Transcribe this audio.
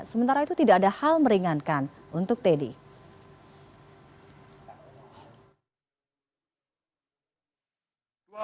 sementara itu tidak ada hal meringankan untuk teddy